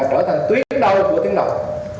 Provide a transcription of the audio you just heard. trở thành tuyến đầu của tuyến đầu